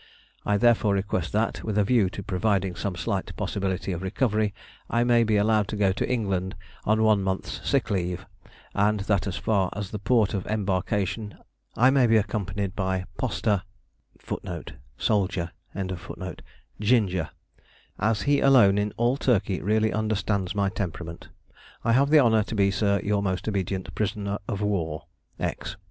I therefore request that, with a view to providing some slight possibility of recovery, I may be allowed to go to England on one month's sick leave, and that as far as the port of embarkation I may be accompanied by posta 'Ginger,' as he alone in all Turkey really understands my temperament. I have the honour to be, sir, your most obedient prisoner of war, X."